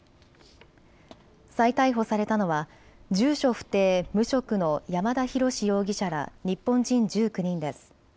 再逮捕されたのは住所不定、無職の山田大志容疑者ら日本人１９人です。